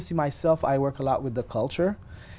nếu có thể